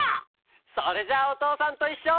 それじゃあ「おとうさんといっしょ」。